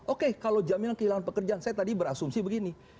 oke kalau jaminan kehilangan pekerjaan saya tadi berasumsi begini